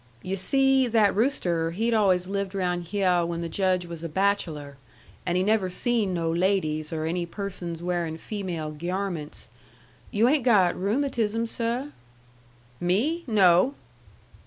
"Yu' see, that rooster he'd always lived round hyeh when the Judge was a bachelor, and he never seen no ladies or any persons wearing female gyarments. You ain't got rheumatism, seh?" "Me? No."